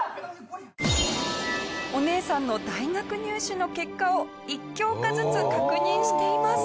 お姉さんの大学入試の結果を１教科ずつ確認しています。